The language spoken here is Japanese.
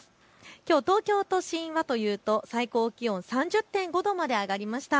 きょう東京都心はというと最高気温３０．５度まで上がりました。